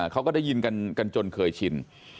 เขาก็ได้ยินกันจนเคยชิน